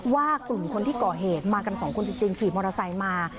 ว่ากลุ่มคนที่ก่อเหตุมากันสองคนจริงขี่มอเตอร์ไซค์มา